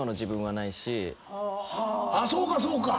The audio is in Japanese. そうかそうか。